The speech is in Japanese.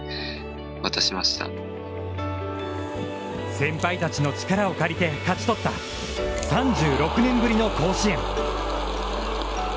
先輩たちの力を借りて勝ち取った３６年ぶりの甲子園。